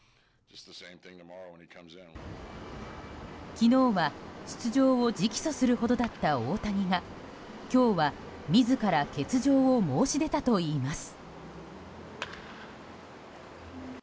昨日は出場を直訴するほどだった大谷が今日は自ら欠場を申し出たといいます。